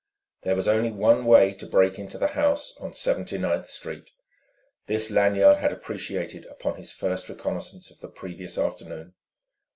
There was only one way to break into the house on Seventy ninth Street; this Lanyard had appreciated upon his first reconnaissance of the previous afternoon.